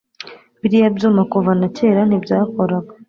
biriya byuma kuva na kera ntibyakoraga